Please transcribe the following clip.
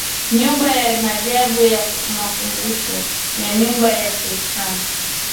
Nyumba ya Maajabu na Makumbusho ya Nyumba ya Sultani